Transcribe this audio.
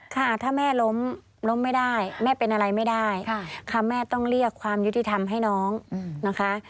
ค่ะถ้าแม่ล้มล้มไม่ได้แม่เป็นอะไรไม่ได้ค่ะแม่ต้องเรียกความยุติธรรมให้น้องนะคะ